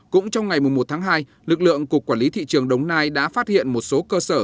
cũng trong ngày một tháng hai lực lượng cục quản lý thị trường đồng nai đã phát hiện một số cơ sở